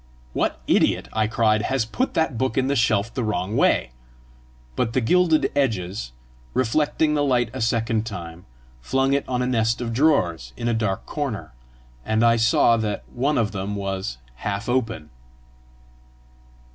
"What idiot," I cried, "has put that book in the shelf the wrong way?" But the gilded edges, reflecting the light a second time, flung it on a nest of drawers in a dark corner, and I saw that one of them was half open.